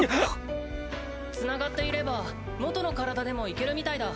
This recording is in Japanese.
・繋がっていれば元の体でもいけるみたいだ。